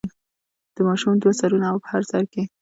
د ماشوم دوه سرونه او په هر سر کې.